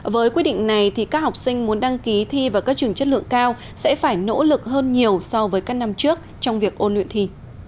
với quyết định này thì các học sinh muốn đăng ký thi vào các trường chất lượng cao sẽ phải nỗ lực hơn nhiều so với các năm trước trong việc ôn luyện thi